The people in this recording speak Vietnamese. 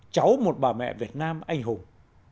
cháu một bà mẹ việt nam anh hùng